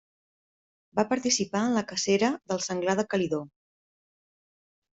Va participar en la cacera del senglar de Calidó.